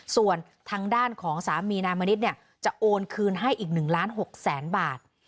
ส่วนทางด้านของสามีนายมณิษฐ์จะโอนคืนให้อีก๑ล้าน๖แสนบาท